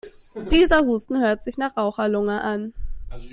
Dieser Husten hört sich nach Raucherlunge an.